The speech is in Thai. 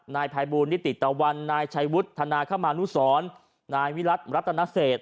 นายภัยบูลนิติตะวันนายชัยวุฒนาคมานุสรนายวิรัติรัตนเศษ